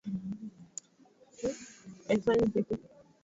na kusahau mazingira na hasa matatizo yanayomzunguka kwa wakati huo